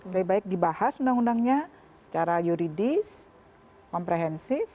lebih baik dibahas undang undangnya secara yuridis komprehensif